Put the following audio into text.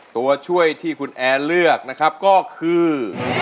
ตัวช่วยที่คุณแอนเลือกนะครับก็คือ